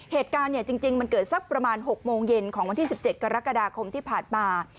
เหตุการณ์จริงมันเกิดสักประมาณ๖โมงเย็นของวันที่๑๗กรกฎาคมที่ผ่านมา